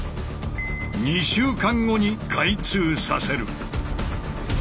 ２週間後に開通させる。